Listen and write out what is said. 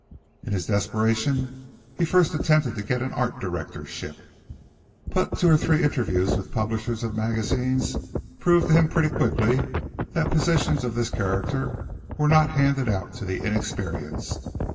In his desperation he first attempted to get an art directorship, but two or three interviews with publishers of magazines proved to him pretty quickly that positions of this character were not handed out to the inexperienced.